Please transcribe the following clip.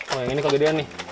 oh yang ini kegedean nih